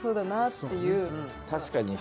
確かに。